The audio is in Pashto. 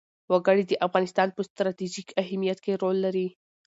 وګړي د افغانستان په ستراتیژیک اهمیت کې رول لري.